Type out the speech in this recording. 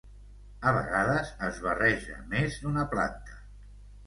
A vegades es barreja més d'una planta.